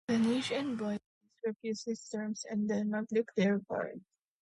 Danish envoys refused these terms and Denmark declared war.